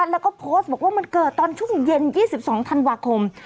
แล้วก็โพสต์บอกว่ามันเกิดตอนช่วงเย็น๒๒ธันวาคม